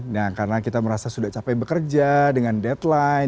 nah karena kita merasa sudah capek bekerja dengan deadline